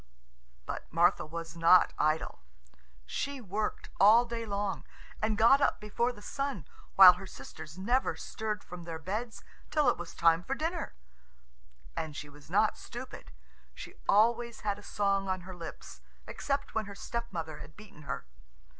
But Martha was not idle. She worked all day long, and got up before the sun, while her sisters never stirred from their beds till it was time for dinner. And she was not stupid. She always had a song on her lips, except when her stepmother had beaten her.